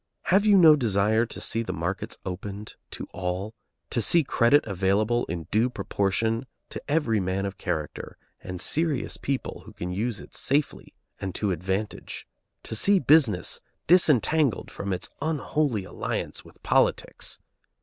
Have you no desire to see the markets opened to all? to see credit available in due proportion to every man of character and serious purpose who can use it safely and to advantage? to see business disentangled from its unholy alliance with politics?